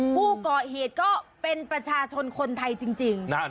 ผู้ก่อเหตุก็เป็นประชาชนคนไทยจริง